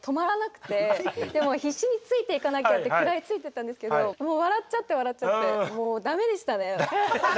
でも必死についていかなきゃって食らいついていったんですけどもう笑っちゃって笑っちゃってもう駄目でしたね。